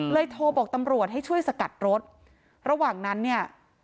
โทรบอกตำรวจให้ช่วยสกัดรถระหว่างนั้นเนี่ย